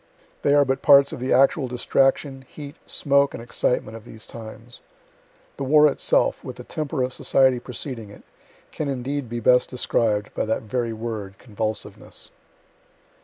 They are but parts of the actual distraction, heat, smoke and excitement of those times. The war itself, with the temper of society preceding it, can indeed be best described by that very word convulsiveness.